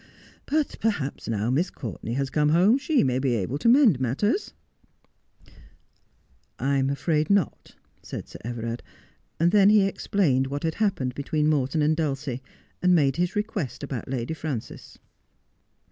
But perhaps now Miss Courtenay has come home, she may be able to mend matters 1 ' 1 I'm afraid not,' said Sir Everard, and then he explained what had happened between Morton and Dulcie, and made his request about Lady Frances.